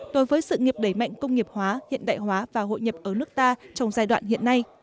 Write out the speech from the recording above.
đối với sự nghiệp đẩy mạnh công nghiệp hóa hiện đại hóa và hội nhập ở nước ta trong giai đoạn hiện nay